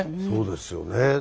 そうですよね。